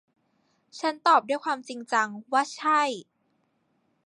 ฉันตอบด้วยความจริงจังว่า ใช่